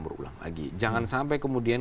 berulang lagi jangan sampai kemudian